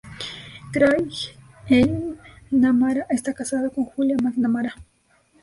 Craig McNamara está casado con Julia McNamara.